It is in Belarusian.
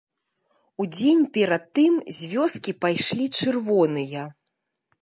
Удзень перад тым з вёскі пайшлі чырвоныя.